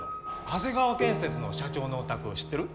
長谷川建設の社長のお宅知ってる？